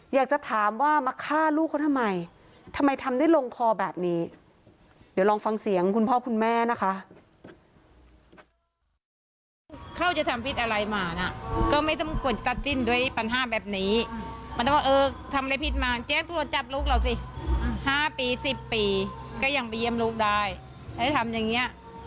อยากจะถามว่ามาฆ่าลูกเขาทำไมทำไมทำได้ลงคอแบบนี้